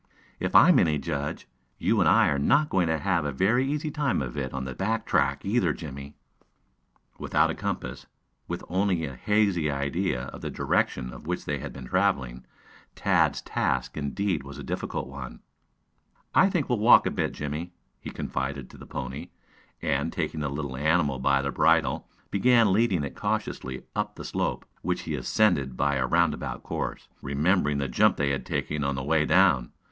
If I'm any judge, you and I are not going to have a very easy time of it on the back track, either, Jimmie." Without a compass, with only a hazy idea of the direction in which they had been traveling, Tad's task indeed was a difficult one. "I think we'll walk a bit, Jimmie," he confided to the pony, and, taking the little animal by the bridle, began leading it cautiously up the slope, which he ascended by a roundabout course, remembering the jump they had taken on the way down.